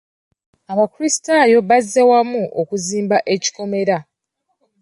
Abakulisitaayo bazze wamu okuzimba ekikomera.